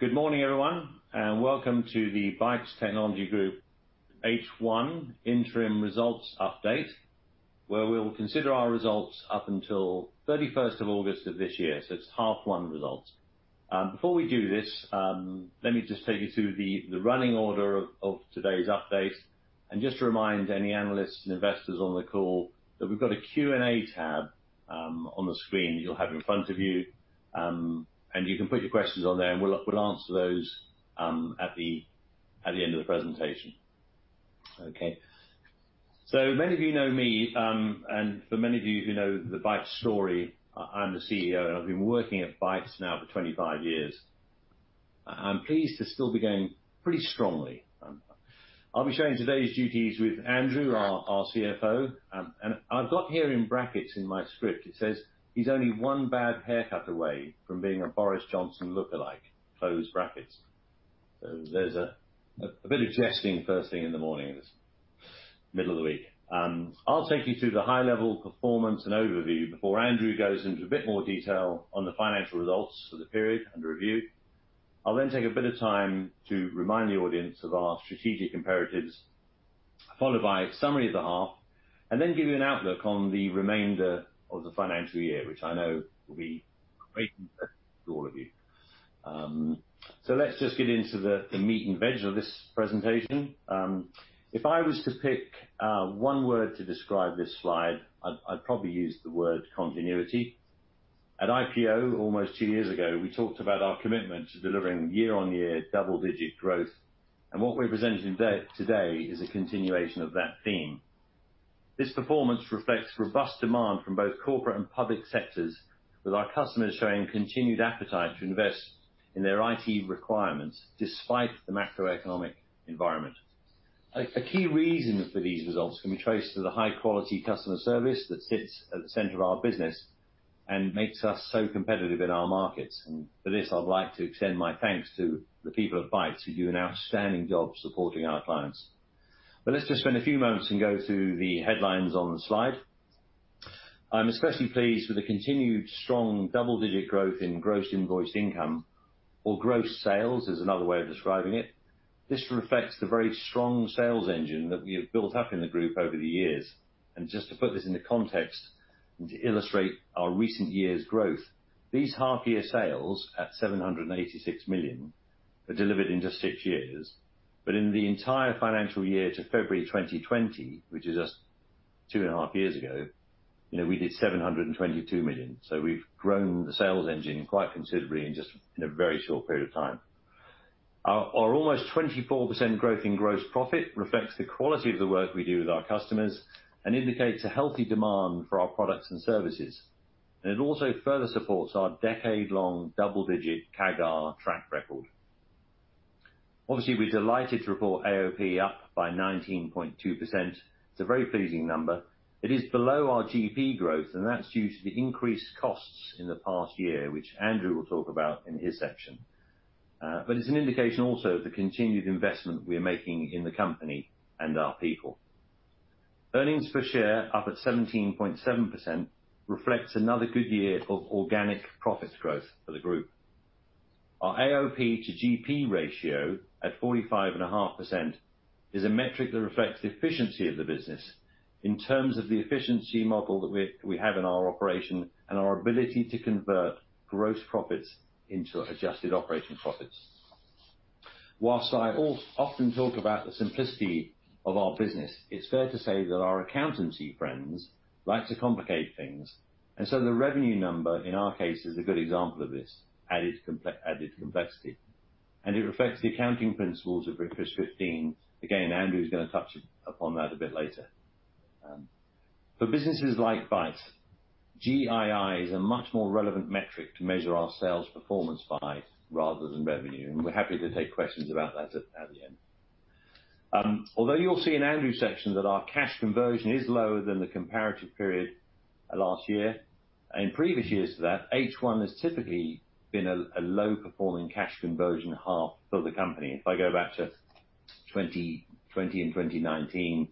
Good morning, everyone, and Welcome to the Bytes Technology Group H1 Interim Results Update, where we will consider our results up until thirty-first of August of this year, so it's half one results. Before we do this, let me just take you through the running order of today's update, and just to remind any analysts and investors on the call that we've got a Q&A tab on the screen you'll have in front of you. You can put your questions on there, and we'll answer those at the end of the presentation. Okay. Many of you know me, and for many of you who know the Bytes story, I'm the CEO, and I've been working at Bytes now for 25 years. I'm pleased to still be going pretty strongly. I'll be sharing today's duties with Andrew, our CFO, and I've got here in brackets in my script, it says, "He's only one bad haircut away from being a Boris Johnson lookalike," close brackets. There's a bit of jesting first thing in the morning this middle of the week. I'll take you through the high level performance and overview before Andrew goes into a bit more detail on the financial results for the period under review. I'll then take a bit of time to remind the audience of our strategic imperatives, followed by a summary of the half, and then give you an outlook on the remainder of the financial year, which I know will be of great interest to all of you. Let's just get into the meat and veg of this presentation. If I was to pick one word to describe this slide, I'd probably use the word continuity. At IPO, almost two years ago, we talked about our commitment to delivering year-on-year double-digit growth, and what we're presenting today is a continuation of that theme. This performance reflects robust demand from both corporate and public sectors, with our customers showing continued appetite to invest in their IT requirements despite the macroeconomic environment. A key reason for these results can be traced to the high quality customer service that sits at the center of our business and makes us so competitive in our markets, and for this, I'd like to extend my thanks to the people at Bytes who do an outstanding job supporting our clients. Let's just spend a few moments and go through the headlines on the slide. I'm especially pleased with the continued strong double-digit growth in gross invoiced income, or gross sales, is another way of describing it. This reflects the very strong sales engine that we have built up in the group over the years. Just to put this into context and to illustrate our recent year's growth, these half-year sales at 786 million were delivered in just six years. In the entire financial year to February 2020, which is just two and a half years ago, you know, we did 722 million. We've grown the sales engine quite considerably in a very short period of time. Our almost 24% growth in gross profit reflects the quality of the work we do with our customers and indicates a healthy demand for our products and services. It also further supports our decade-long double-digit CAGR track record. Obviously, we're delighted to report AOP up by 19.2%. It's a very pleasing number. It is below our GP growth, and that's due to the increased costs in the past year, which Andrew will talk about in his section. But it's an indication also of the continued investment we're making in the company and our people. Earnings per share up at 17.7% reflects another good year of organic profit growth for the group. Our AOP to GP ratio at 45.5% is a metric that reflects the efficiency of the business in terms of the efficiency model that we have in our operation and our ability to convert gross profits into adjusted operating profits. While I often talk about the simplicity of our business, it's fair to say that our accountancy friends like to complicate things, and so the revenue number in our case is a good example of this added complexity, and it reflects the accounting principles of IFRS 15. Again, Andrew's gonna touch upon that a bit later. Businesses like Bytes, GII is a much more relevant metric to measure our sales performance by rather than revenue, and we're happy to take questions about that at the end. Although you'll see in Andrew's section that our cash conversion is lower than the comparative period last year, in previous years to that, H1 has typically been a low performing cash conversion half for the company. If I go back to 2020 and 2019,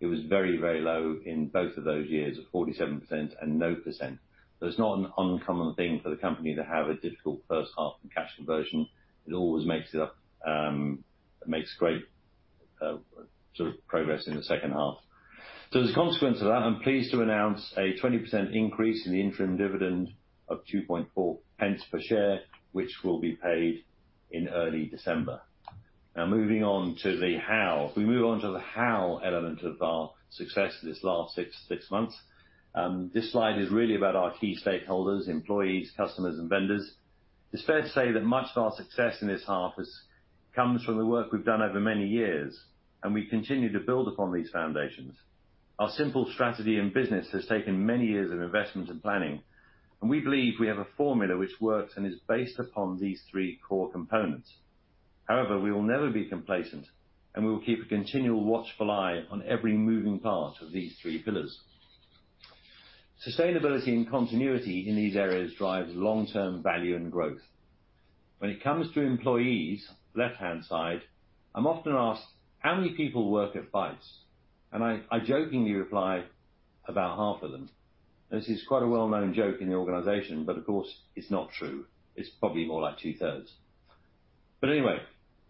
it was very, very low in both of those years at 47% and 9%. It's not an uncommon thing for the company to have a difficult first half in cash conversion. It always makes it up, makes great sort of progress in the second half. As a consequence of that, I'm pleased to announce a 20% increase in the interim dividend of 0.024 per share, which will be paid in early December. Now moving on to the how. If we move on to the how element of our success this last six months, this slide is really about our key stakeholders, employees, customers, and vendors. It's fair to say that much of our success in this half comes from the work we've done over many years, and we continue to build upon these foundations. Our simple strategy in business has taken many years of investment and planning, and we believe we have a formula which works and is based upon these three core components. However, we will never be complacent, and we will keep a continual watchful eye on every moving part of these three pillars. Sustainability and continuity in these areas drives long-term value and growth. When it comes to employees, left-hand side, I'm often asked, "How many people work at Bytes?" I jokingly reply about half of them. This is quite a well-known joke in the organization, but of course it's not true. It's probably more like 2/3. Anyway,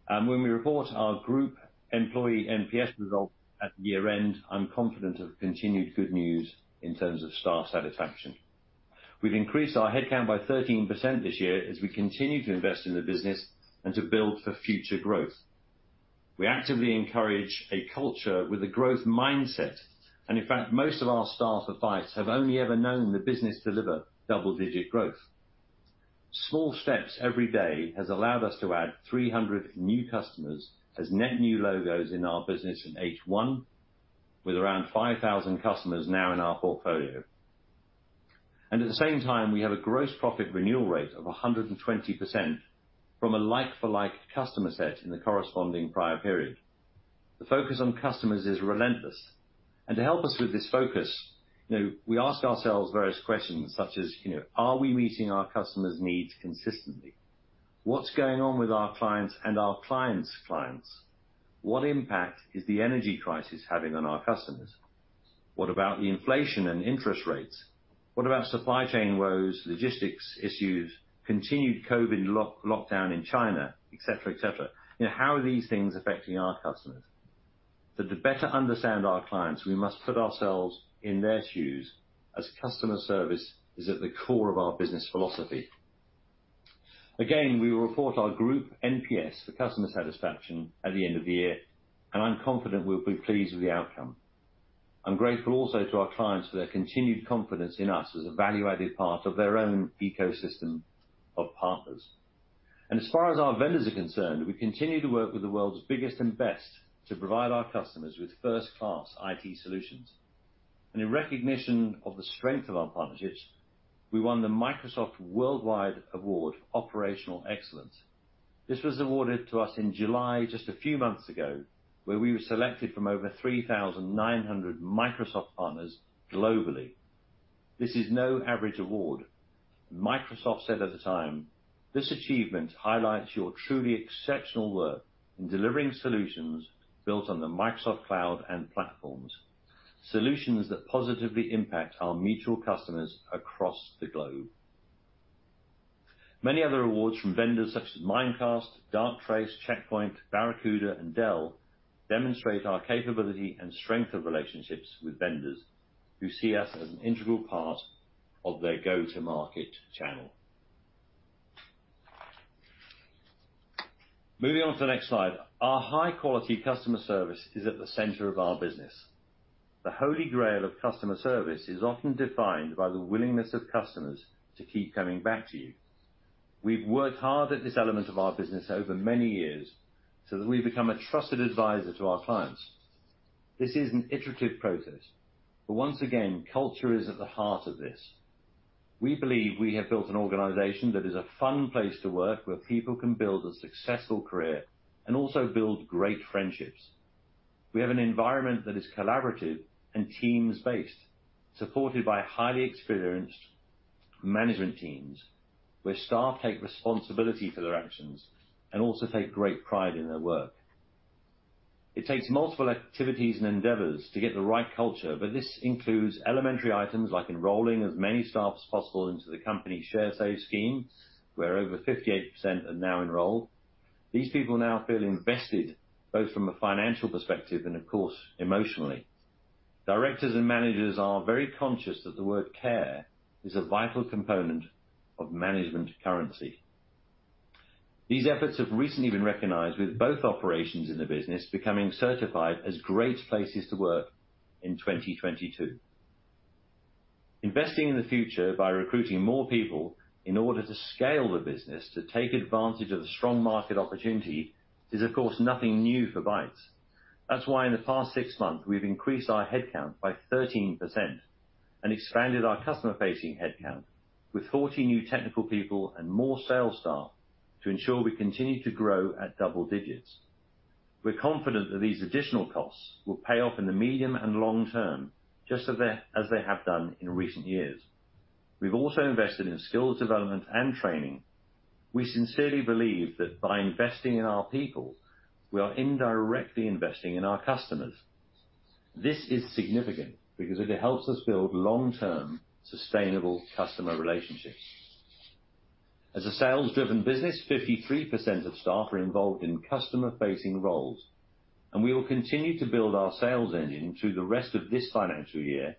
when we report our group employee NPS result at year-end, I'm confident of continued good news in terms of staff satisfaction. We've increased our headcount by 13% this year as we continue to invest in the business and to build for future growth. We actively encourage a culture with a growth mindset, and in fact, most of our staff at Bytes have only ever known the business deliver double-digit growth. Small steps every day has allowed us to add 300 new customers as net new logos in our business in H1, with around 5,000 customers now in our portfolio. At the same time, we have a gross profit renewal rate of 120% from a like for like customer set in the corresponding prior period. The focus on customers is relentless. To help us with this focus, you know, we ask ourselves various questions such as, you know, are we meeting our customer's needs consistently? What's going on with our clients and our client's clients? What impact is the energy crisis having on our customers? What about the inflation and interest rates? What about supply chain woes, logistics issues, continued COVID lockdown in China, et cetera? How are these things affecting our customers? That, to better understand our clients, we must put ourselves in their shoes as customer service is at the core of our business philosophy. Again, we will report our group NPS for customer satisfaction at the end of the year, and I'm confident we'll be pleased with the outcome. I'm grateful also to our clients for their continued confidence in us as a value-added part of their own ecosystem of partners. As far as our vendors are concerned, we continue to work with the world's biggest and best to provide our customers with first-class IT solutions. In recognition of the strength of our partnerships, we won the Microsoft Worldwide Award for Operational Excellence. This was awarded to us in July, just a few months ago, where we were selected from over 3,900 Microsoft partners globally. This is no average award. Microsoft said at the time, "This achievement highlights your truly exceptional work in delivering solutions built on the Microsoft Cloud and platforms, solutions that positively impact our mutual customers across the globe." Many other awards from vendors such as Mimecast, Darktrace, Check Point, Barracuda and Dell demonstrate our capability and strength of relationships with vendors who see us as an integral part of their go-to-market channel. Moving on to the next slide. Our high-quality customer service is at the center of our business. The Holy Grail of customer service is often defined by the willingness of customers to keep coming back to you. We've worked hard at this element of our business over many years, so that we've become a trusted advisor to our clients. This is an iterative process, but once again, culture is at the heart of this. We believe we have built an organization that is a fun place to work, where people can build a successful career and also build great friendships. We have an environment that is collaborative and teams-based, supported by highly experienced management teams, where staff take responsibility for their actions and also take great pride in their work. It takes multiple activities and endeavors to get the right culture, but this includes elementary items like enrolling as many staff as possible into the company share save scheme, where over 58% are now enrolled. These people now feel invested, both from a financial perspective and of course, emotionally. Directors and managers are very conscious that the word care is a vital component of management currency. These efforts have recently been recognized with both operations in the business becoming certified as Great Places to Work in 2022. Investing in the future by recruiting more people in order to scale the business to take advantage of the strong market opportunity is, of course, nothing new for Bytes. That's why in the past six months, we've increased our headcount by 13% and expanded our customer-facing headcount with 40 new technical people and more sales staff to ensure we continue to grow at double digits. We're confident that these additional costs will pay off in the medium and long term, just as they have done in recent years. We've also invested in skills development and training. We sincerely believe that by investing in our people, we are indirectly investing in our customers. This is significant because it helps us build long-term sustainable customer relationships. As a sales-driven business, 53% of staff are involved in customer-facing roles, and we will continue to build our sales engine through the rest of this financial year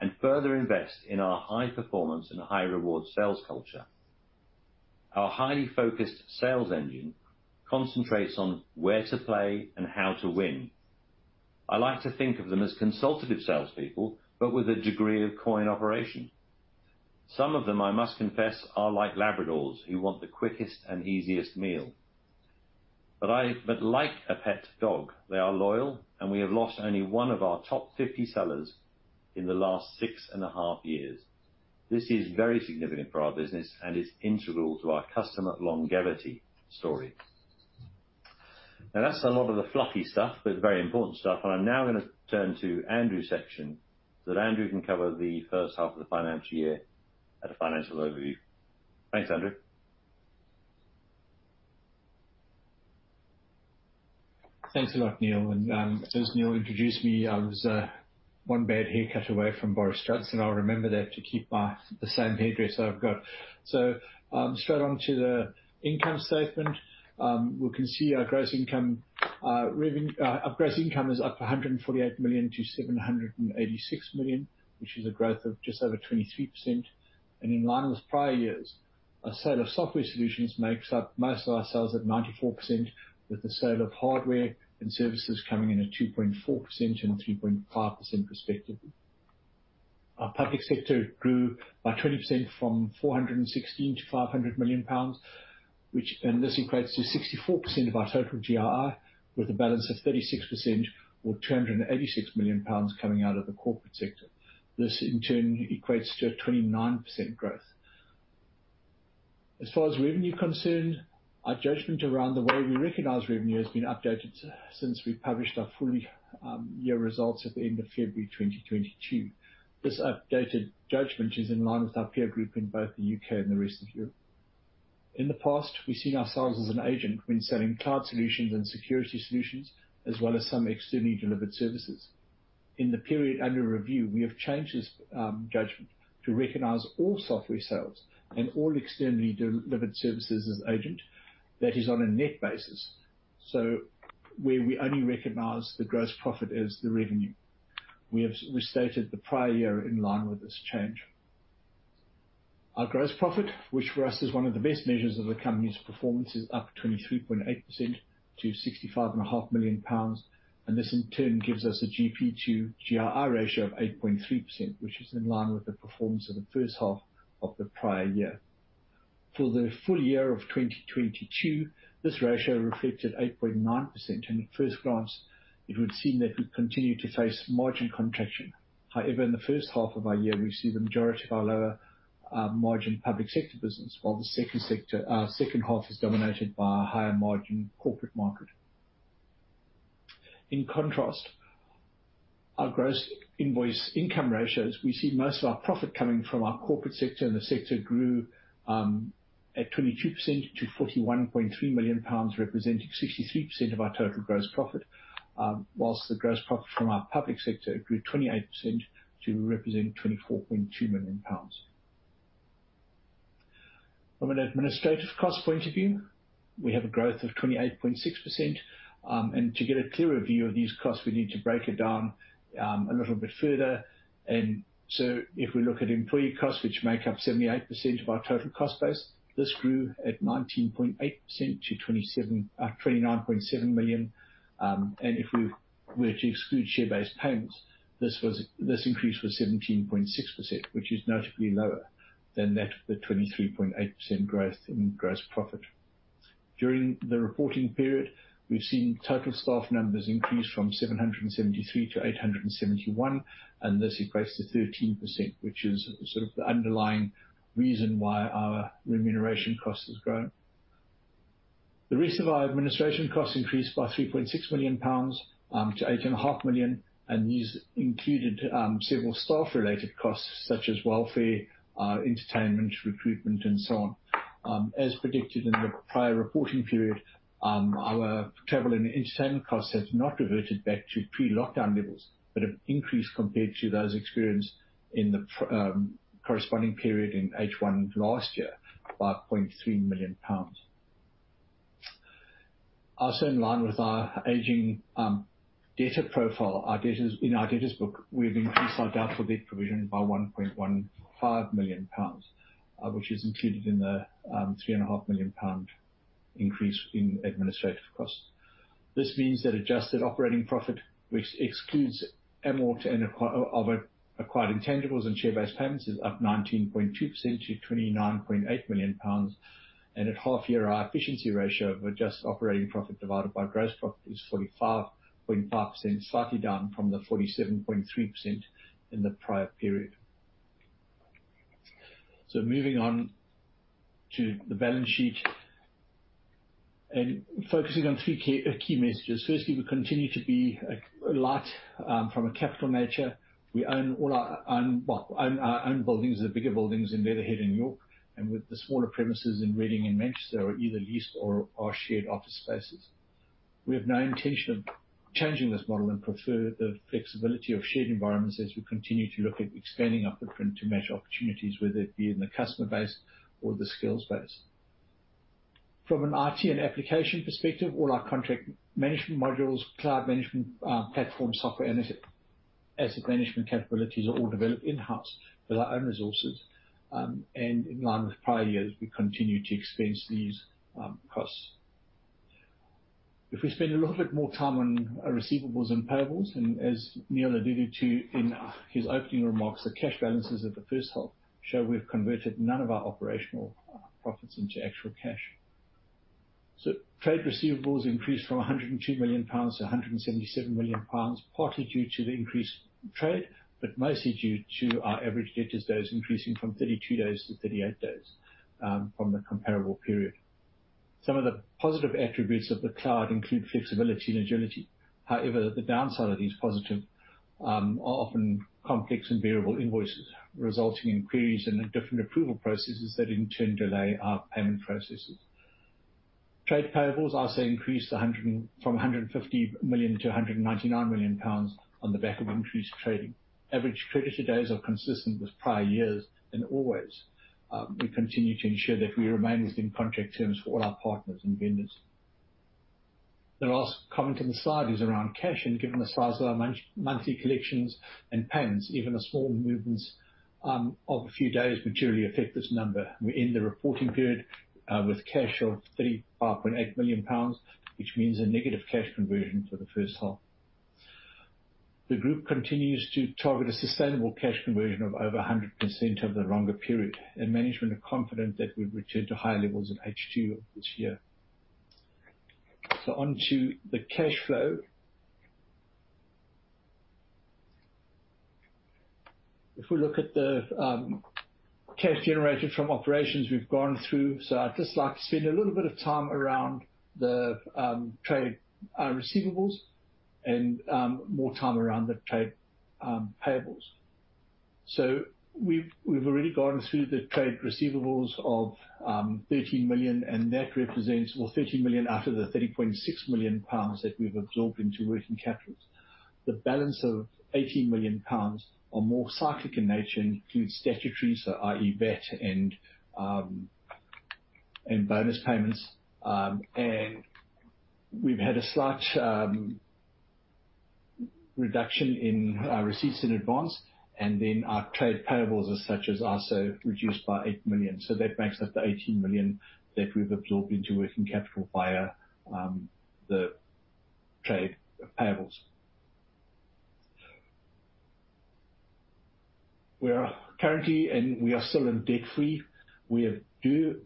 and further invest in our high-performance and high-reward sales culture. Our highly focused sales engine concentrates on where to play and how to win. I like to think of them as consultative salespeople, but with a degree of cooperation. Some of them, I must confess, are like Labradors who want the quickest and easiest meal. But like a pet dog, they are loyal, and we have lost only one of our top 50 sellers in the last six and a half years. This is very significant for our business, and it's integral to our customer longevity story. Now that's a lot of the fluffy stuff, but very important stuff. I'm now gonna turn to Andrew's section, so that Andrew can cover the first half of the financial year with a financial overview. Thanks, Andrew. Thanks a lot, Neil. As Neil introduced me, I was one bad haircut away from Boris Johnson. I'll remember that to keep the same hairdresser I've got. Straight on to the income statement, we can see our gross income is up 148 million to 786 million, which is a growth of just over 23%. In line with prior years, our sale of software solutions makes up most of our sales at 94%, with the sale of hardware and services coming in at 2.4% and 3.5% respectively. Our public sector grew by 20% from 416 million to 500 million pounds, which This equates to 64% of our total GII, with a balance of 36%, or 286 million pounds coming out of the corporate sector. This in turn equates to a 29% growth. As far as revenue is concerned, our judgment around the way we recognize revenue has been updated since we published our full year results at the end of February 2022. This updated judgment is in line with our peer group in both the U.K. and the rest of Europe. In the past, we've seen ourselves as an agent when selling cloud solutions and security solutions, as well as some externally delivered services. In the period under review, we have changed this judgment to recognize all software sales and all externally delivered services as an agent. That is on a net basis, so where we only recognize the gross profit as the revenue. We have restated the prior year in line with this change. Our gross profit, which for us is one of the best measures of the company's performance, is up 23.8% to 65.5 million pounds. This in turn gives us a GP to GII ratio of 8.3%, which is in line with the performance of the first half of the prior year. For the full year of 2022, this ratio reflected 8.9%. At first glance, it would seem that we continue to face margin contraction. However, in the first half of our year, we see the majority of our lower margin public sector business, while the second half is dominated by our higher margin corporate market. In contrast, our gross invoiced income, we see most of our profit coming from our corporate sector, and the sector grew at 22% to 41.3 million pounds, representing 63% of our total gross profit, whilst the gross profit from our public sector grew 28% to 24.2 million pounds. From an administrative cost point of view, we have a growth of 28.6%. To get a clearer view of these costs, we need to break it down a little bit further. If we look at employee costs, which make up 78% of our total cost base, this grew at 19.8% to 29.7 million. If we were to exclude share-based payments, this increase was 17.6%, which is notably lower than that of the 23.8% growth in gross profit. During the reporting period, we've seen total staff numbers increase from 773 to 871, and this equates to 13%, which is sort of the underlying reason why our remuneration cost has grown. The rest of our administration costs increased by 3.6 million pounds to 8.5 million, and these included several staff-related costs such as welfare, entertainment, recruitment and so on. As predicted in the prior reporting period, our travel and entertainment costs have not reverted back to pre-lockdown levels, but have increased compared to those experienced in the corresponding period in H1 last year, by 0.3 million pounds. Also, in line with our aging data profile, our debtors book, we have increased our doubtful debt provision by 1.15 million pounds, which is included in the 3.5 million pound increase in administrative costs. This means that adjusted operating profit, which excludes amort and other acquired intangibles and share-based payments, is up 19.2% to 29.8 million pounds. At half year, our efficiency ratio of adjusted operating profit divided by gross profit is 45.5%, slightly down from the 47.3% in the prior period. Moving on to the balance sheet and focusing on three key messages. Firstly, we continue to be a light from a capital nature. We own all our own buildings, the bigger buildings in Leatherhead and York. With the smaller premises in Reading and Manchester are either leased or are shared office spaces. We have no intention of changing this model and prefer the flexibility of shared environments as we continue to look at expanding our footprint to match opportunities, whether it be in the customer base or the skills base. From an IT and application perspective, all our contract management modules, cloud management platform software, and asset management capabilities are all developed in-house with our own resources. In line with prior years, we continue to expense these costs. If we spend a little bit more time on our receivables and payables, and as Neil alluded to in his opening remarks, the cash balances of the first half show we have converted none of our operational profits into actual cash. Trade receivables increased from 102 million pounds to 177 million pounds, partly due to the increased trade, but mostly due to our average debtors days increasing from 32 days to 38 days from the comparable period. Some of the positive attributes of the cloud include flexibility and agility. However, the downside of these positive are often complex and variable invoices, resulting in queries and different approval processes that in turn delay our payment processes. Trade payables also increased from 150 million to 199 million pounds on the back of increased trading. Average creditor days are consistent with prior years, and always we continue to ensure that we remain within contract terms for all our partners and vendors. The last comment on the slide is around cash, and given the size of our monthly collections and payments, even the small movements of a few days materially affect this number. We end the reporting period with cash of 35.8 million pounds, which means a negative cash conversion for the first half. The group continues to target a sustainable cash conversion of over 100% over the longer period and management are confident that we'll return to high levels in H2 of this year. Onto the cash flow. If we look at the cash generated from operations we've gone through. I'd just like to spend a little bit of time around the trade receivables and more time around the trade payables. We've already gone through the trade receivables of 13 million, and that represents. Well, 13 million after the 30.6 million pounds that we've absorbed into working capital. The balance of 18 million pounds are more cyclic in nature, including statutory, so i.e. VAT and bonus payments. We've had a slight reduction in receipts in advance and then our trade payables as such as also reduced by 8 million. That makes up the 18 million that we've absorbed into working capital via the trade payables. We are currently. We are still debt free. We do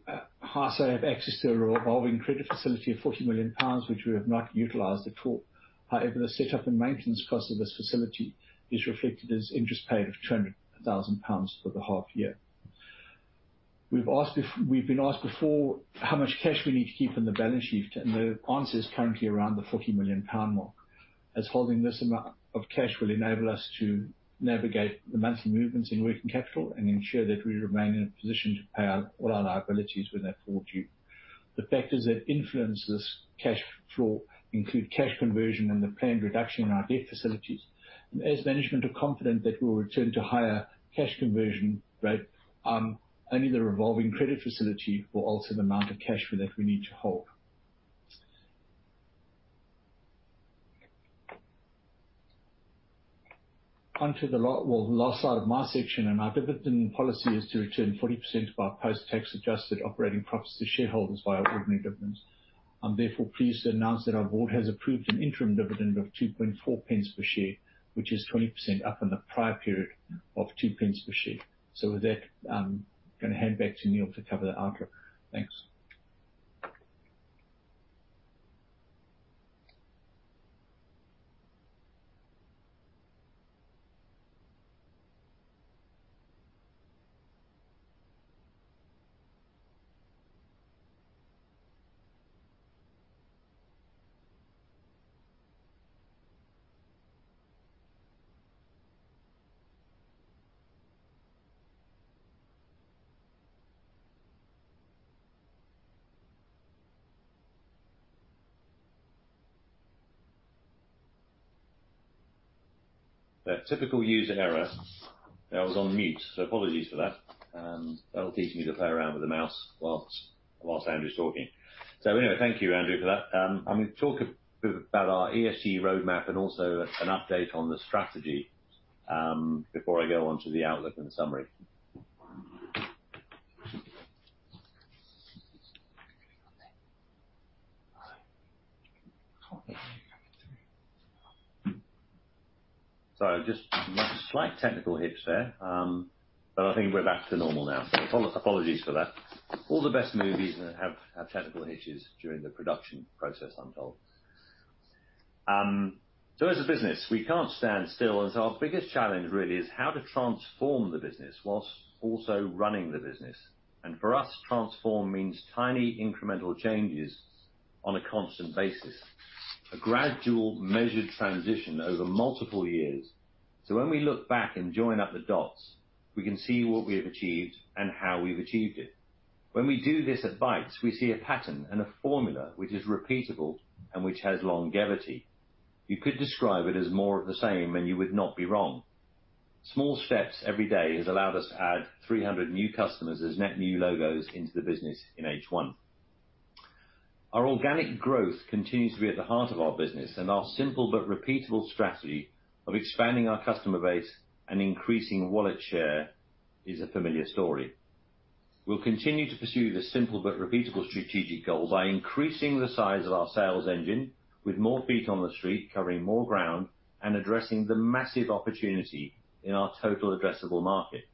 also have access to a revolving credit facility of 40 million pounds, which we have not utilized at all. However, the setup and maintenance cost of this facility is reflected as interest paid of GBP 200,000 for the half year. We've been asked before how much cash we need to keep in the balance sheet, and the answer is currently around the 40 million pound mark. Holding this amount of cash will enable us to navigate the monthly movements in working capital and ensure that we remain in a position to pay all our liabilities when they fall due. The factors that influence this cash flow include cash conversion and the planned reduction in our debt facilities. As management are confident that we will return to higher cash conversion rate, only the revolving credit facility will alter the amount of cash that we need to hold. Well, the last slide of my section, and our dividend policy is to return 40% of our post-tax adjusted operating profits to shareholders via ordinary dividends. I'm therefore pleased to announce that our board has approved an interim dividend of 0.024 per share, which is 20% up on the prior period of 0.02 per share. With that, I'm gonna hand back to Neil to cover the outlook. Thanks. The typical user error. I was on mute, so apologies for that. That'll teach me to play around with the mouse while Andrew's talking. Thank you, Andrew, for that. I'm gonna talk a bit about our ESG roadmap and also an update on the strategy before I go onto the outlook and summary. Sorry, just slight technical hitch there. I think we're back to normal now. Apologies for that. All the best movies have technical hitches during the production process, I'm told. As a business, we can't stand still, and so our biggest challenge really is how to transform the business while also running the business. For us, transform means tiny incremental changes on a constant basis. A gradual measured transition over multiple years. When we look back and join up the dots, we can see what we have achieved and how we've achieved it. When we do this at Bytes, we see a pattern and a formula which is repeatable and which has longevity. You could describe it as more of the same, and you would not be wrong. Small steps every day has allowed us to add 300 new customers as net new logos into the business in H1. Our organic growth continues to be at the heart of our business, and our simple but repeatable strategy of expanding our customer base and increasing wallet share is a familiar story. We'll continue to pursue this simple but repeatable strategic goal by increasing the size of our sales engine with more feet on the street, covering more ground and addressing the massive opportunity in our total addressable market.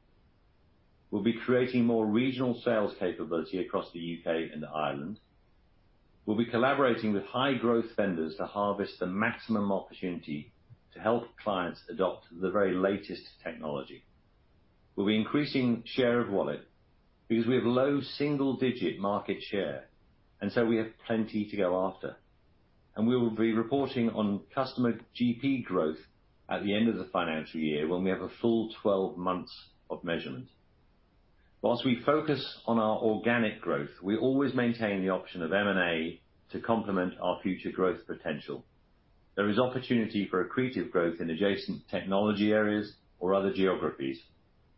We'll be creating more regional sales capability across the UK and Ireland. We'll be collaborating with high growth vendors to harvest the maximum opportunity to help clients adopt the very latest technology. We'll be increasing share of wallet because we have low single-digit market share, and so we have plenty to go after, and we will be reporting on customer GP growth at the end of the financial year when we have a full 12 months of measurement. While we focus on our organic growth, we always maintain the option of M&A to complement our future growth potential. There is opportunity for accretive growth in adjacent technology areas or other geographies.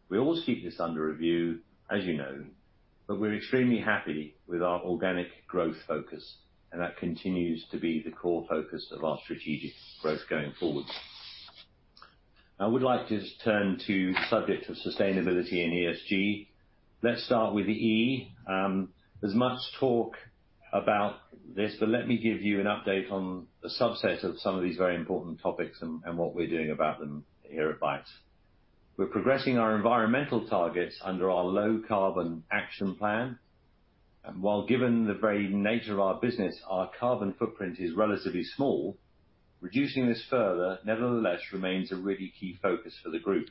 We always keep this under review, as you know, but we're extremely happy with our organic growth focus, and that continues to be the core focus of our strategic growth going forward. I would like to just turn to subject of sustainability and ESG. Let's start with the E. There's much talk about this, but let me give you an update on the subset of some of these very important topics and what we're doing about them here at Bytes. We're progressing our environmental targets under our low carbon action plan. While given the very nature of our business, our carbon footprint is relatively small. Reducing this further, nevertheless remains a really key focus for the group.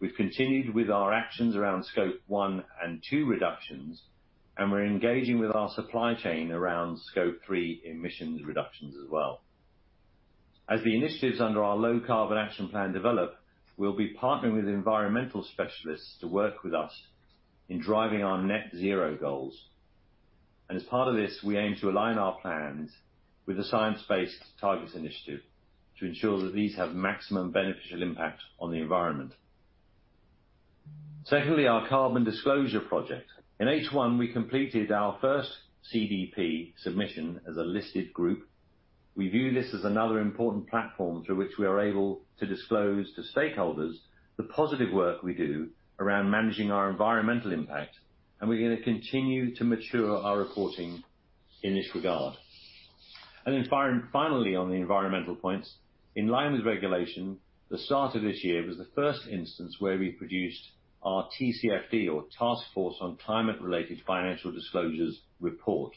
We've continued with our actions around Scope one and two reductions, and we're engaging with our supply chain around Scope three emissions reductions as well. As the initiatives under our low carbon action plan develop, we'll be partnering with environmental specialists to work with us in driving our net zero goals. As part of this, we aim to align our plans with the Science Based Targets initiative to ensure that these have maximum beneficial impact on the environment. Secondly, our Carbon Disclosure Project. In H1, we completed our first CDP submission as a listed group. We view this as another important platform through which we are able to disclose to stakeholders the positive work we do around managing our environmental impact, and we're gonna continue to mature our reporting in this regard. Finally, on the environmental points, in line with regulation, the start of this year was the first instance where we produced our TCFD, or Task Force on Climate-related Financial Disclosures, report.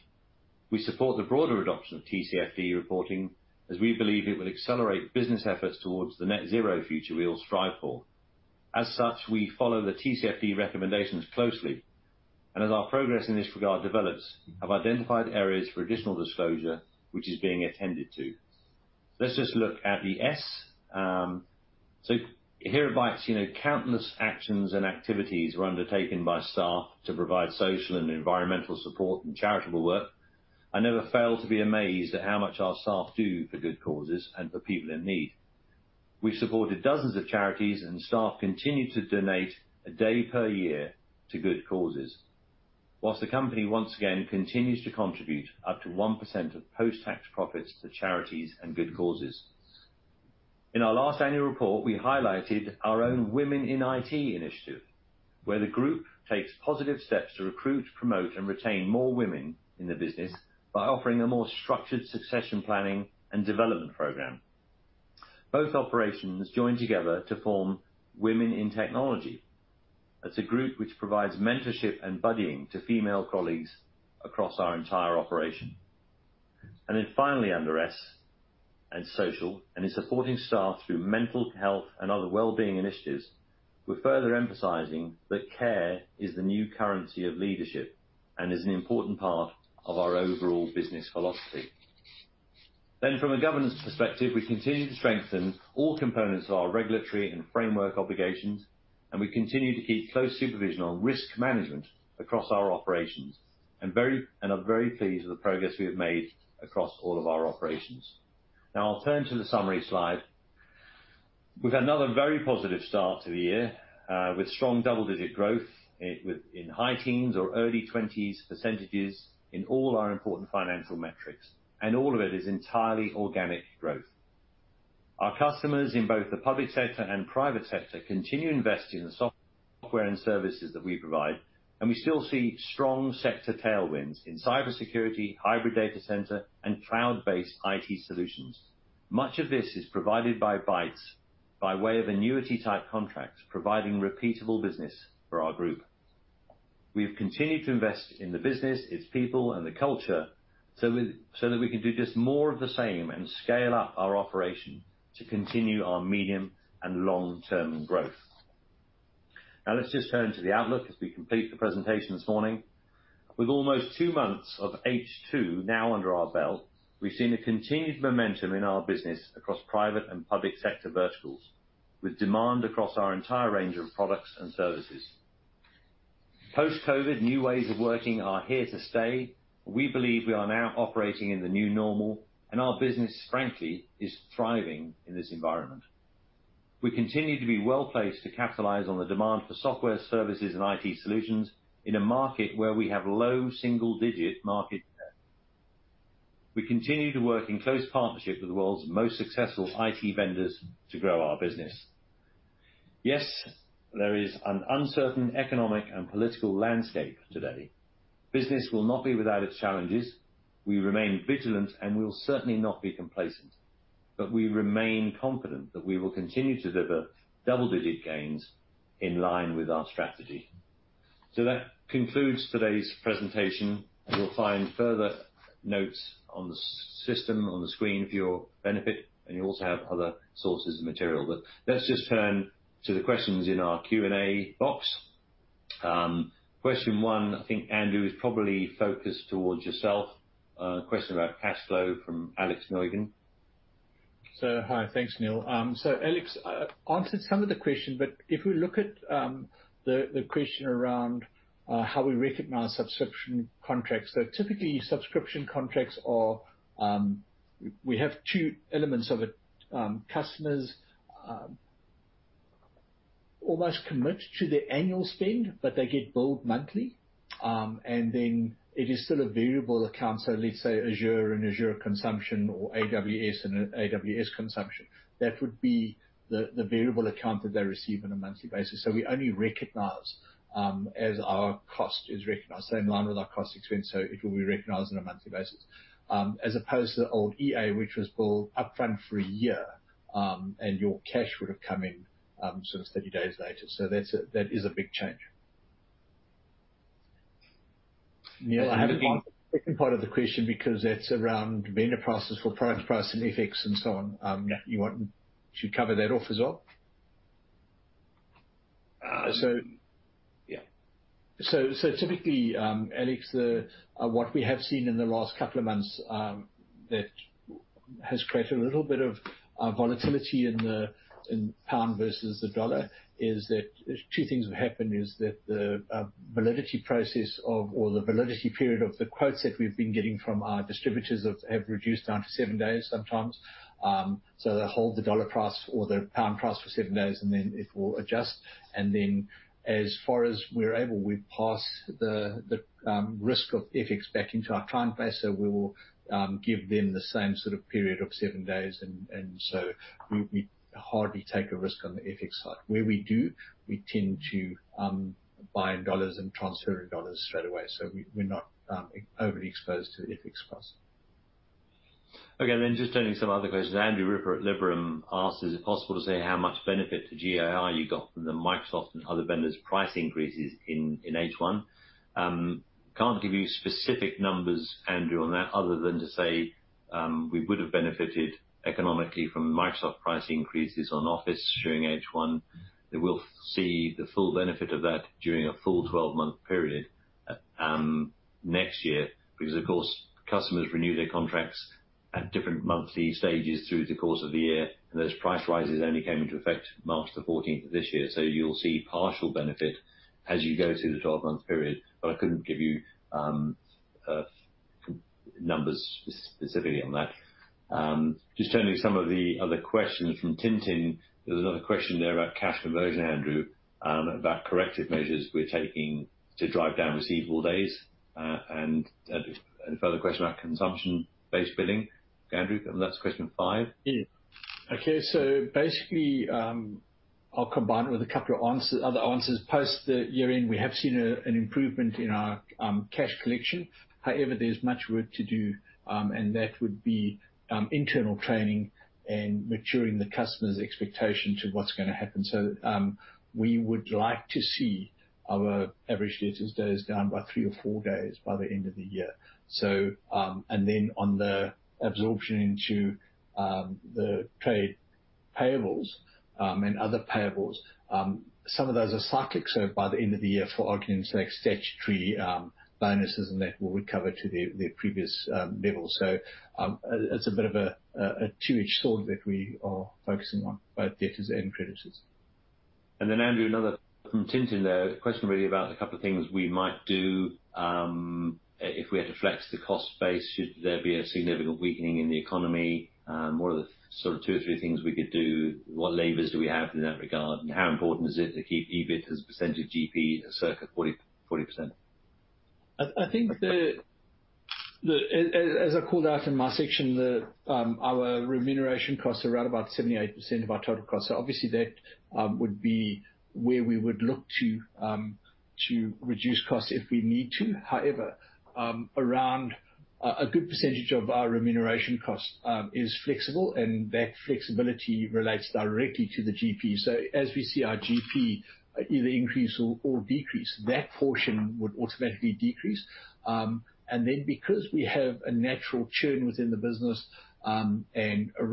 We support the broader adoption of TCFD reporting, as we believe it will accelerate business efforts towards the net zero future we all strive for. As such, we follow the TCFD recommendations closely, and as our progress in this regard develops, have identified areas for additional disclosure, which is being attended to. Let's just look at the S. Here at Bytes, you know, countless actions and activities were undertaken by staff to provide social and environmental support and charitable work. I never fail to be amazed at how much our staff do for good causes and for people in need. We've supported dozens of charities and staff continue to donate a day per year to good causes. While the company, once again, continues to contribute up to 1% of post-tax profits to charities and good causes. In our last annual report, we highlighted our own Women in IT in issue, where the group takes positive steps to recruit, promote, and retain more women in the business by offering a more structured succession planning and development program. Both operations join together to form Women in Technology. That's a group which provides mentorship and buddying to female colleagues across our entire operation. Finally under S, and social, and in supporting staff through mental health and other well-being initiatives, we're further emphasizing that care is the new currency of leadership and is an important part of our overall business philosophy. From a governance perspective, we continue to strengthen all components of our regulatory and framework obligations, and we continue to keep close supervision on risk management across our operations and are very pleased with the progress we have made across all of our operations. Now, I'll turn to the summary slide. We've had another very positive start to the year, with strong double-digit growth in high teens or early twenties percentages in all our important financial metrics, and all of it is entirely organic growth. Our customers in both the public sector and private sector continue investing in the software and services that we provide, and we still see strong sector tailwinds in cybersecurity, hybrid data center, and cloud-based IT solutions. Much of this is provided by Bytes by way of annuity-type contracts, providing repeatable business for our group. We've continued to invest in the business, its people, and the culture, so that we can do just more of the same and scale up our operation to continue our medium and long-term growth. Now let's just turn to the outlook as we complete the presentation this morning. With almost two months of H2 now under our belt, we've seen a continued momentum in our business across private and public sector verticals, with demand across our entire range of products and services. Post-COVID, new ways of working are here to stay. We believe we are now operating in the new normal, and our business, frankly, is thriving in this environment. We continue to be well-placed to capitalize on the demand for software services and IT solutions in a market where we have low single-digit market share. We continue to work in close partnership with the world's most successful IT vendors to grow our business. Yes, there is an uncertain economic and political landscape today. Business will not be without its challenges. We remain vigilant, and we'll certainly not be complacent. We remain confident that we will continue to deliver double-digit gains in line with our strategy. That concludes today's presentation, and you'll find further notes on the system on the screen for your benefit, and you also have other sources of material. Let's just turn to the questions in our Q and A box. Question one, I think Andrew, is probably focused towards yourself. A question about cash flow from Alex Sheridan. Hi. Thanks, Neil. Alex, I answered some of the question, but if we look at the question around how we recognize subscription contracts. Typically, subscription contracts are we have two elements of it. Customers almost commit to their annual spend, but they get billed monthly. Then it is still a variable account. Let's say Azure and Azure consumption or AWS and AWS consumption. That would be the variable account that they receive on a monthly basis. We only recognize as our cost is recognized. In line with our cost expense, it will be recognized on a monthly basis. As opposed to old EA, which was billed upfront for a year, and your cash would have come in, sort of 30 days later. That is a big change. Neil, I have Second part of the question because that's around vendor prices for product price and FX and so on. You want to cover that off as well? Uh, so... Yeah. Typically, Alex, what we have seen in the last couple of months that has created a little bit of volatility in the pound versus the dollar is that two things have happened, the validity period of the quotes that we've been getting from our distributors have reduced down to seven days sometimes. They hold the dollar price or the pound price for seven days, and then it will adjust. Then as far as we're able, we pass the risk of FX back into our client base. We will give them the same sort of period of seven days and so we hardly take a risk on the FX side. Where we do, we tend to buy in dollars and transfer in dollars straight away. We're not overly exposed to the FX cost. Okay. Just turning some other questions. Andrew Ripper at Liberum asks, "Is it possible to say how much benefit to GP you got from the Microsoft and other vendors' price increases in H1?" Can't give you specific numbers, Andrew, on that other than to say, we would have benefited economically from Microsoft price increases on Office during H1. We'll see the full benefit of that during a full twelve-month period, next year, because of course, customers renew their contracts at different monthly stages through the course of the year, and those price rises only came into effect March the fourteenth of this year. You'll see partial benefit as you go through the twelve-month period, but I couldn't give you, numbers specifically on that. Just turning some of the other questions from Tintin Stormont. There was another question there about cash conversion, Andrew, about corrective measures we're taking to drive down receivable days, and further question about consumption-based billing. Andrew, that's question five. Yeah. Okay. Basically, I'll combine with a couple of answers, other answers. Post the year-end, we have seen an improvement in our cash collection. However, there's much work to do, and that would be internal training and managing the customer's expectation to what's gonna happen. We would like to see our average debtors days down by three or four days by the end of the year. And then on the absorption into the trade payables and other payables, some of those are cyclical, so by the end of the year for arguments like statutory bonuses and that will recover to the previous level. It's a bit of a two-edged sword that we are focusing on, both debtors and creditors. Andrew, another from Tintin there. Question really about a couple of things we might do, if we had to flex the cost base should there be a significant weakening in the economy, what are the sort of two or three things we could do? What levers do we have in that regard? How important is it to keep EBIT as a percentage of GP at circa 40%? I think as I called out in my section, our remuneration costs are around about 78% of our total costs. Obviously that would be where we would look to reduce costs if we need to. However, around a good percentage of our remuneration cost is flexible and that flexibility relates directly to the GP. As we see our GP either increase or decrease, that portion would automatically decrease. Then because we have a natural churn within the business, and a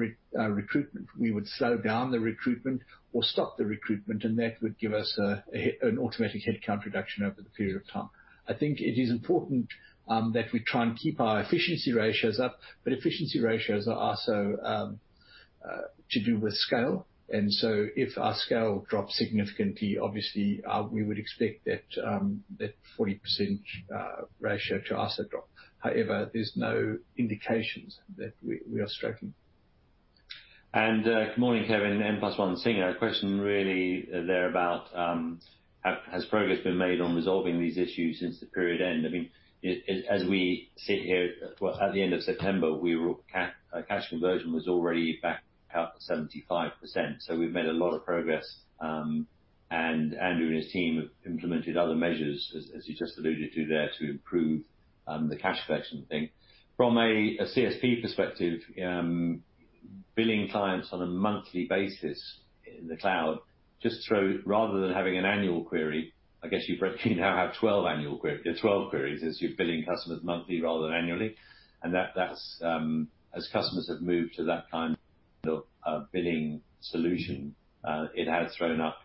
recruitment, we would slow down the recruitment or stop the recruitment, and that would give us an automatic headcount reduction over the period of time. I think it is important that we try and keep our efficiency ratios up, but efficiency ratios are also to do with scale. If our scale drops significantly, obviously, we would expect that that 40% ratio to also drop. However, there's no indications that we are struggling. Good morning, Kevin, N+1 Singer. Question really there about has progress been made on resolving these issues since the period end? I mean, as we sit here at the end of September, we were cash conversion was already back up 75%. We've made a lot of progress, and Andrew and his team have implemented other measures, as you just alluded to there, to improve the cash collection thing. From a CSP perspective, billing clients on a monthly basis in the cloud, just, though rather than having an annual payment, I guess you've actually now have 12 payments as you're billing customers monthly rather than annually. As customers have moved to that kind of billing solution, it has thrown up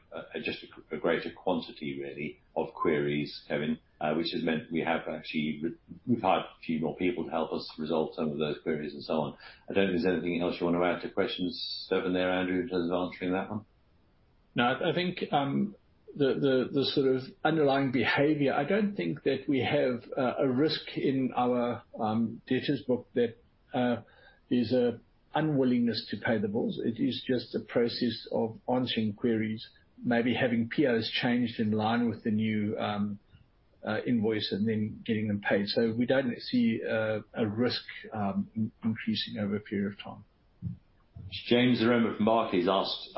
just a greater quantity really, of queries coming, which has meant we have actually rehired a few more people to help us resolve some of those queries and so on. I don't know if there's anything else you wanna add to questions seven there, Andrew, in terms of answering that one. No, I think the sort of underlying behavior. I don't think that we have a risk in our debtors book that is a unwillingness to pay the bills. It is just a process of answering queries, maybe having POs changed in line with the new invoice and then getting them paid. We don't see a risk increasing over a period of time. James Roome from Megabuyte asks,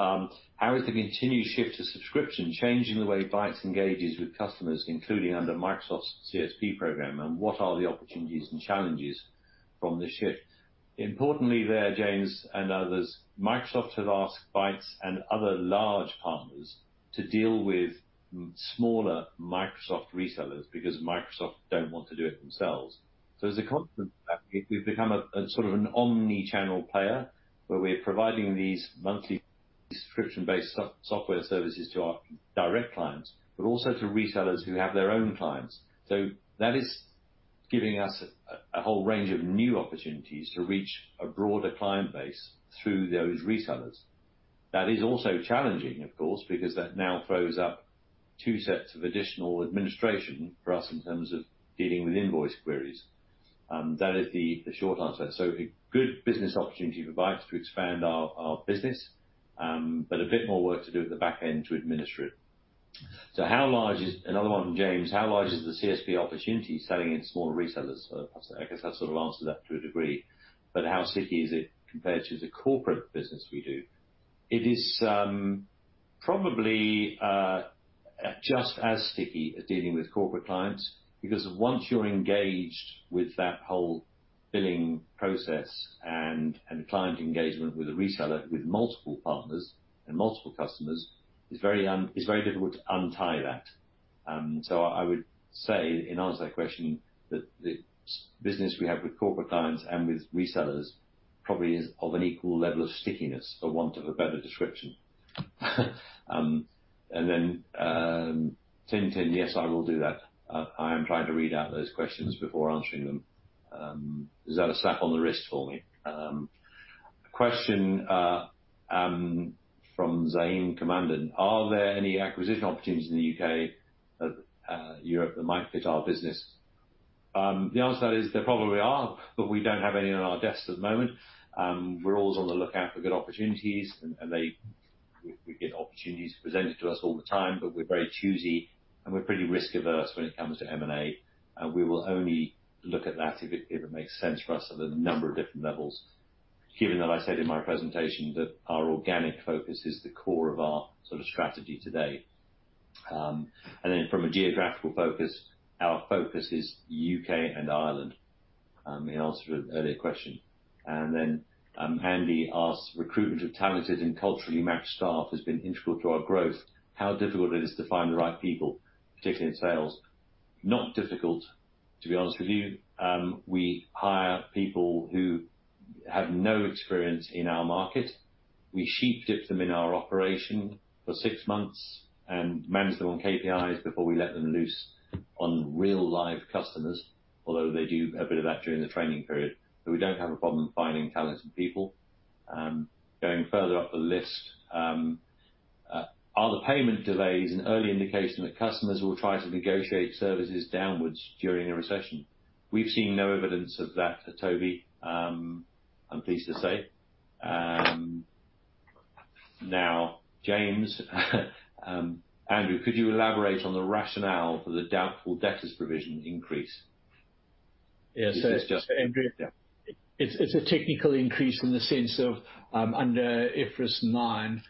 "How is the continued shift to subscription changing the way Bytes engages with customers, including under Microsoft's CSP program, and what are the opportunities and challenges from the shift?" Importantly there, James and others, Microsoft have asked Bytes and other large partners to deal with smaller Microsoft resellers because Microsoft don't want to do it themselves. As a consequence of that we've become a sort of an omni-channel player where we're providing these monthly subscription-based software services to our direct clients, but also to resellers who have their own clients. That is giving us a whole range of new opportunities to reach a broader client base through those resellers. That is also challenging, of course, because that now throws up two sets of additional administration for us in terms of dealing with invoice queries. That is the short answer. A good business opportunity for Bytes to expand our business, but a bit more work to do at the back end to administer it. Another one, James Roome: "How large is the CSP opportunity selling in smaller resellers?" I guess I've sort of answered that to a degree, but how sticky is it compared to the corporate business we do? It is probably just as sticky as dealing with corporate clients because once you're engaged with that whole billing process and client engagement with a reseller, with multiple partners and multiple customers, it's very difficult to untie that. I would say, in answer to that question, that the business we have with corporate clients and with resellers probably is of an equal level of stickiness, for want of a better description. And then Tin-tin, yes, I will do that. I am trying to read out those questions before answering them. Is that a slap on the wrist for me? Question from Zainab Dhanani: "Are there any acquisition opportunities in the UK, Europe that might fit our business?" The answer to that is there probably are, but we don't have any on our desks at the moment. We're always on the lookout for good opportunities. We get opportunities presented to us all the time, but we're very choosy, and we're pretty risk-averse when it comes to M&A. We will only look at that if it makes sense for us at a number of different levels, given that I said in my presentation that our organic focus is the core of our sort of strategy today. From a geographical focus, our focus is UK and Ireland, in answer to an earlier question. Andy asks, "Recruitment of talented and culturally matched staff has been integral to our growth. How difficult it is to find the right people, particularly in sales?" Not difficult, to be honest with you. We hire people who have no experience in our market. We sheep-dip them in our operation for six months and manage them on KPIs before we let them loose on real live customers, although they do a bit of that during the training period. We don't have a problem finding talented people. Going further up the list: "Are the payment delays an early indication that customers will try to negotiate services downwards during a recession?" We've seen no evidence of that, Toby, I'm pleased to say. Now James, Andrew, could you elaborate on the rationale for the doubtful debtors provision increase? Yeah. Is this just? Andrew. Yeah. It's a technical increase in the sense of under IFRS nine,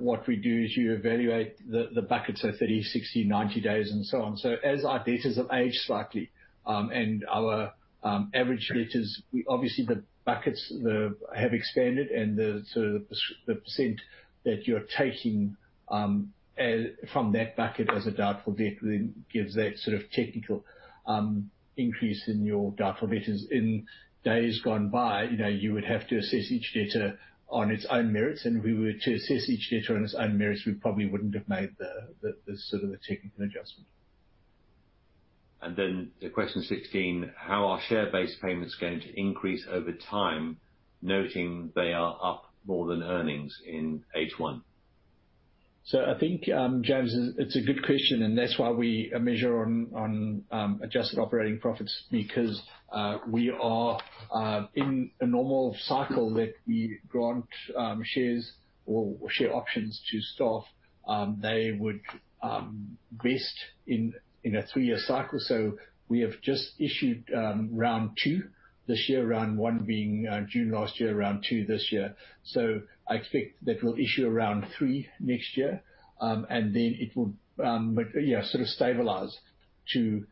what we do is you evaluate the buckets of 30, 60, 90 days and so on. As our debtors have aged slightly, and our average debtors, we obviously the buckets have expanded and the sort of percent that you're taking from that bucket as a doubtful debt really gives that sort of technical increase in your doubtful debtors. In days gone by, you know, you would have to assess each debtor on its own merits, and if we were to assess each debtor on its own merits, we probably wouldn't have made the sort of technical adjustment. To question 16: "How are share-based payments going to increase over time, noting they are up more than earnings in H1? I think, James, it's a good question, and that's why we measure on adjusted operating profits because we are in a normal cycle that we grant shares or share options to staff. They would vest in a three-year cycle. We have just issued round two this year, round one being June last year, round two this year. I expect that we'll issue a round three next year. And then it will yeah sort of stabilize to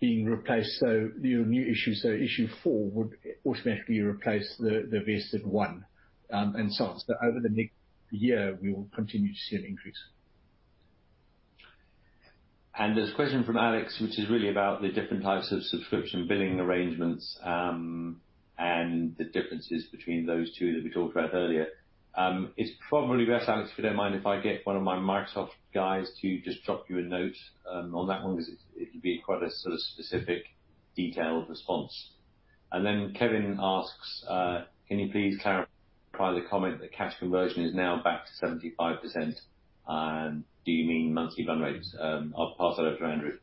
being replaced, so your new issue, so issue four would automatically replace the vested one, and so on. Over the next year, we will continue to see an increase. There's a question from Alex, which is really about the different types of subscription billing arrangements, and the differences between those two that we talked about earlier. It's probably best, Alex, if you don't mind, if I get one of my Microsoft guys to just drop you a note, on that one, because it'd be quite a sort of specific detailed response. And then, Kevin asks, "Can you please clarify the comment that cash conversion is now back to 75%? Do you mean monthly run rates?" I'll pass that over to Andrew.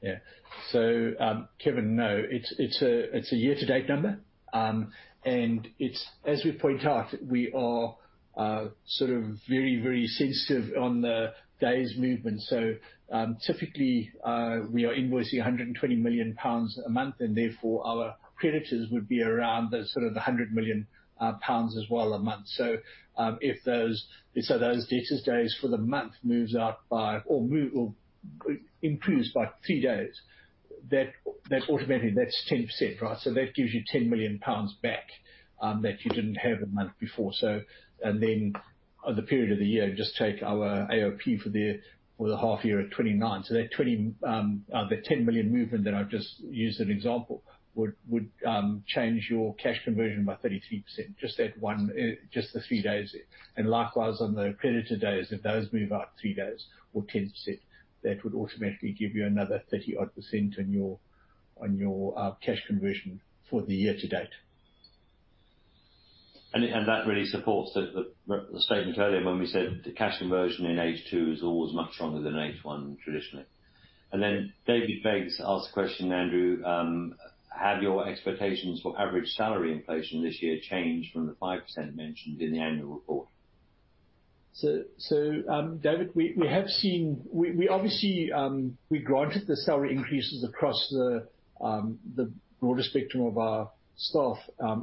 Yeah. Kevin, no, it's a year-to-date number. It's as we point out, we are very sensitive on the days movement. Typically, we are invoicing 120 million pounds a month, and therefore, our debtors would be around the sort of 100 million pounds as well a month. If those debtors days for the month moves out by or improves by three days, that automatically, that's 10%, right? That gives you 10 million pounds back that you didn't have the month before. Then the period of the year, just take our AOP for the half year at 29. That 20, the 10 million movement that I've just used as an example would change your cash conversion by 33%. Just that one, just the three days. Likewise, on the creditor days, if those move out three days or 10%, that would automatically give you another 30-odd percent on your cash conversion for the year to date. that really supports the statement earlier when we said the cash conversion in H2 is always much stronger than H1 traditionally. David Beggs asks a question, Andrew, "Have your expectations for average salary inflation this year changed from the 5% mentioned in the annual report? David, we obviously granted the salary increases across the broader spectrum of our staff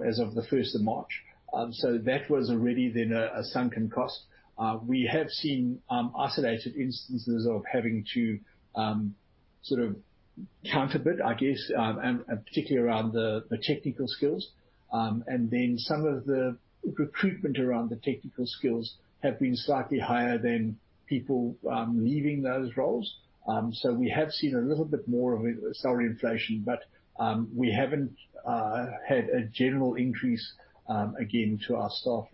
as of the first of March. That was already then a sunk cost. We have seen isolated instances of having to sort of counter a bit, I guess, and particularly around the technical skills. Some of the recruitment around the technical skills have been slightly higher than people leaving those roles. We have seen a little bit more of a salary inflation, but we haven't had a general increase again to our staff.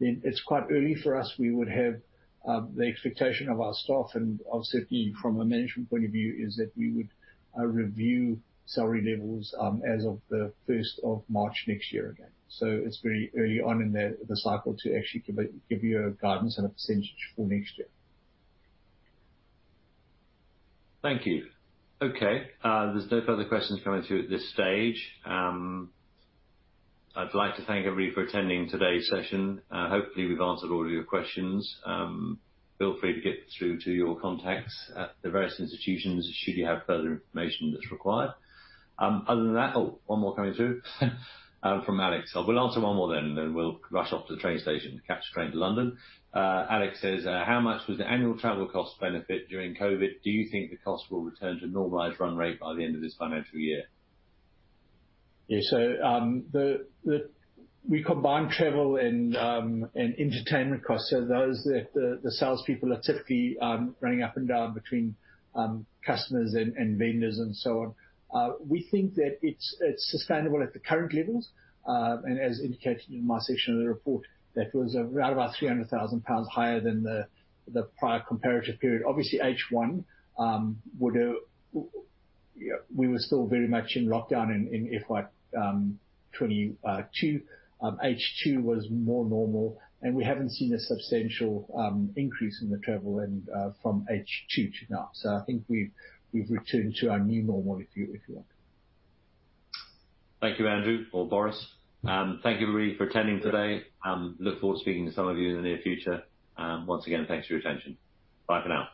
It's quite early for us. We would have the expectation of our staff and obviously from a management point of view is that we would review salary levels as of the first of March next year again. It's very early on in the cycle to actually give you a guidance and a percentage for next year. Thank you. Okay, there's no further questions coming through at this stage. I'd like to thank everybody for attending today's session. Hopefully we've answered all of your questions. Feel free to get through to your contacts at the various institutions should you have further information that's required. Other than that. Oh, one more coming through from Alex. We'll answer one more then we'll rush off to the train station to catch a train to London. Alex says, "How much was the annual travel cost benefit during COVID? Do you think the cost will return to normalized run rate by the end of this financial year? Yeah. We combine travel and entertainment costs. Those are the sales people are typically running up and down between customers and vendors and so on. We think that it's sustainable at the current levels. As indicated in my section of the report, that was around about 300 thousand pounds higher than the prior comparative period. Obviously, H1 we were still very much in lockdown in FY 2022. H2 was more normal, and we haven't seen a substantial increase in the travel and from H2 to now. I think we've returned to our new normal if you want. Thank you, Andrew or Boris. Thank you everybody for attending today. Look forward to speaking to some of you in the near future. Once again, thanks for your attention. Bye for now.